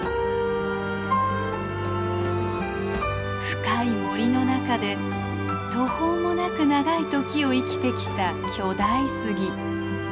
深い森の中で途方もなく長い時を生きてきた巨大杉。